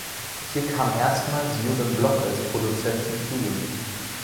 Hier kam erstmals Jürgen Block als Produzent zum Zuge.